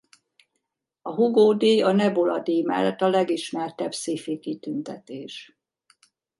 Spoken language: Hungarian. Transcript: A Hugo-díj a Nebula-díj mellett a legismertebb sci-fi-kitüntetés.